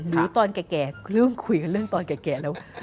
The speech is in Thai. หรือตอนแก่เริ่มคุยกันเรื่องตอนแก่แล้ว